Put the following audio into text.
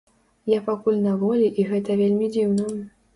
Я пакуль на волі і гэта вельмі дзіўна.